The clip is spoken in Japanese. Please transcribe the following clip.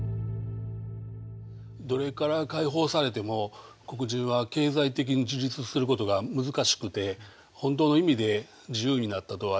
奴隷から解放されても黒人は経済的に自立することが難しくて本当の意味で自由になったとは言い難かったんです。